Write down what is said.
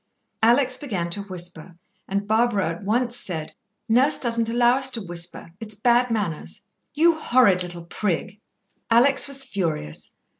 Alex began to whisper, and Barbara at once said: "Nurse doesn't allow us to whisper. It's bad manners." "You horrid little prig!" Alex was furious.